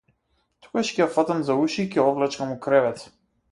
Тогаш ќе ја фатам за уши и ќе ја одвлечкам у кревет!